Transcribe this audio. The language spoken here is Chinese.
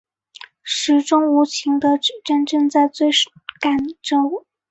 时钟无情的指针正在追赶着我